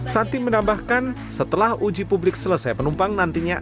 santi menambahkan setelah uji publik selesai penumpang nantinya